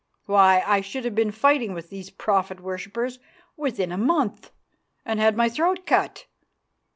Why, I should have been fighting with these prophet worshippers within a month, and had my throat cut.